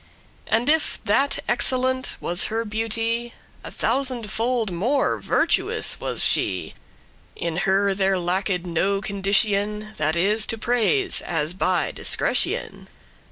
*beams, rays And if that excellent was her beauty, A thousand fold more virtuous was she. In her there lacked no condition, That is to praise, as by discretion.